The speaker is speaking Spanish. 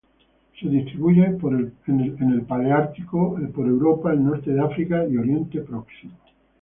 Se distribuye por el paleártico: Europa, el norte de África y Oriente Próximo.